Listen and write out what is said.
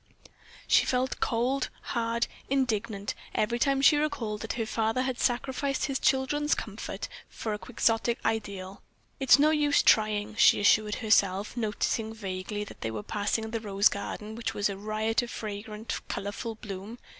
She felt cold, hard, indignant every time she recalled that her father had sacrificed his children's comfort for a Quixotic ideal. "It is no use trying," she assured herself, noticing vaguely that they were passing the rose garden, which was a riot of fragrant, colorful bloom.